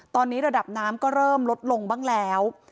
ตอนนี้ระดับน้ำก็เริ่มลดลงบ้างแล้ว